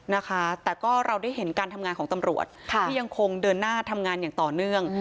นะคะแต่ก็เราได้เห็นการทำงานของตำรวจค่ะที่ยังคงเดินหน้าทำงานอย่างต่อเนื่อง